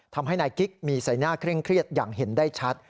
ทำให้นายกิ๊กมีใส่หน้าเคร่งเครียดอย่างเห็นได้ชัด